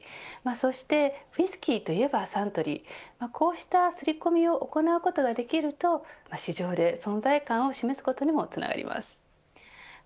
そしてウイスキーといえばサントリーこうした刷り込みを行うことができる市場で存在感を示すことにもつながります。